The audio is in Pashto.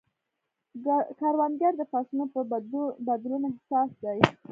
کروندګر د فصلونو په بدلون حساس دی